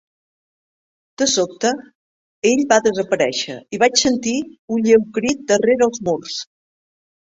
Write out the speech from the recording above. De sobte, ell va desaparèixer i vaig sentir un lleu crit darrera dels murs.